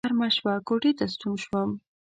غرمه شوه کوټې ته ستون شوم.